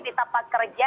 di tempat kerja